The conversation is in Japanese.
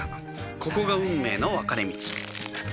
ここが運命の分かれ道